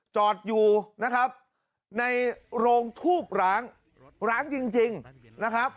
จอดอยู่นะครับในโรงทูบร้างร้างจริงนะครับ